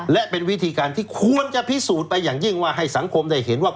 และเป็นวิธีการที่ควรจะพิสูจน์ไปอย่างยิ่งว่าให้สังคมได้เห็นว่า